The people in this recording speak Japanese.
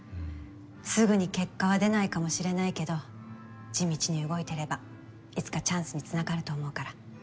すぐに結果はでないかもしれないけど地道に動いてればいつかチャンスにつながると思うから。